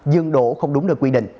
dừng đổ không đúng nơi quy định